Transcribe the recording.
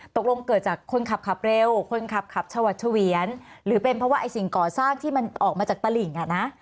ตกลงเกิดจากคนขับเร็วคนขับชวัดเฉวียนหรือเป็นเพราะว่าสิ่งก่อสร้างที่มันออกมาจากตระหลิง